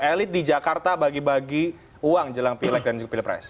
elit di jakarta bagi bagi uang jelang pilek dan juga pilpres